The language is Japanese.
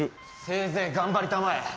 せいぜい頑張りたまえ。